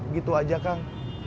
gitu aja kang